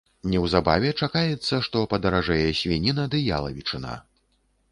Неўзабаве чакаецца, што падаражэе свініна ды ялавічына.